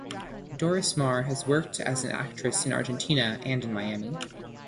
Dorismar has worked as an actress in Argentina and in Miami.